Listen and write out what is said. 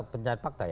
pencarian fakta ya